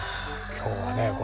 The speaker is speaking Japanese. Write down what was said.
今日はね